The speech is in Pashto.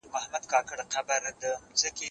زه به سبا کتابتون ته ځم